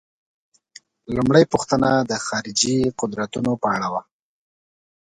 لومړۍ پوښتنه د خارجي قدرتونو په اړه وه.